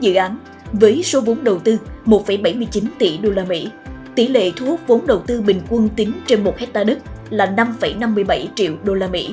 dự án với số vốn đầu tư một bảy mươi chín tỷ usd tỷ lệ thu hút vốn đầu tư bình quân tính trên một hectare đất là năm năm mươi bảy triệu usd